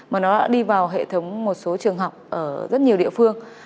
mà nó đã đi vào hệ thống một số trường học ở rất nhiều địa phương